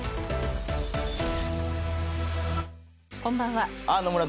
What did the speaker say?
こんばんは。